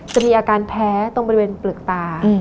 จะมีอาการแพ้ตรงบริเวณเปลือกตา